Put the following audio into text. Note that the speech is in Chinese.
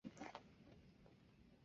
瑙鲁的历史和磷酸盐的采集有关。